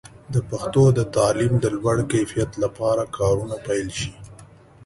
د پښتو د تعلیم د لوړ کیفیت لپاره کارونه پیل شي.